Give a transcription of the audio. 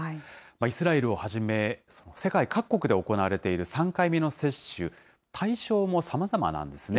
イスラエルをはじめ、世界各国で行われている３回目の接種、対象もさまざまなんですね。